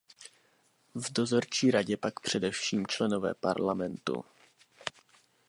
V dozorčí radě pak především členové Parlamentu.